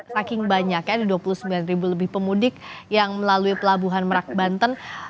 saking banyak ya ada dua puluh sembilan ribu lebih pemudik yang melalui pelabuhan merak banten